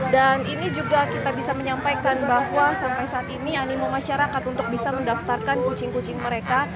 dan ini juga kita bisa menyampaikan bahwa sampai saat ini animo masyarakat untuk bisa mendaftarkan kucing kucing mereka